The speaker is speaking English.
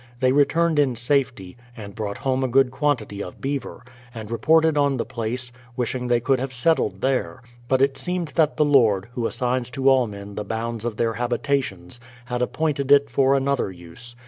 They re turned in safety, and brought home a good quantity of beaver, and reported on the place, wishing they could have THE PLYMOUTH SETTLEINIENT 89 settled there. But it seems that the Lord, Who assigns to all men the bounds of their habitations, had appointed it for another use.